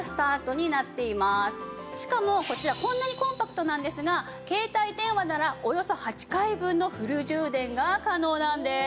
しかもこちらこんなにコンパクトなんですが携帯電話ならおよそ８回分のフル充電が可能なんです。